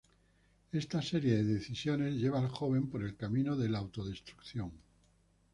Esta serie de decisiones lleva al joven por el camino de la autodestrucción.